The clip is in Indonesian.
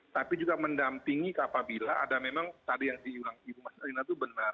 tapi juga mendampingi kapabila ada memang tadi yang diulangi itu benar